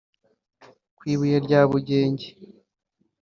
Ku Ibuye rya Bugenge